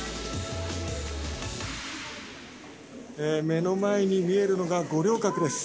目の前に見えるのが、五稜郭です。